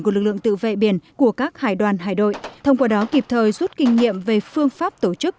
của lực lượng tự vệ biển của các hải đoàn hải đội thông qua đó kịp thời rút kinh nghiệm về phương pháp tổ chức